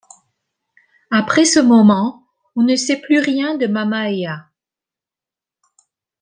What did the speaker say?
Après ce moment on ne sait plus rien de Mamaea.